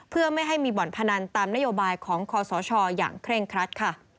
เพื่อไม่ให้มีบ่อนพนันตามนโยบายของคอสชอย่างเคร่งครัดค่ะ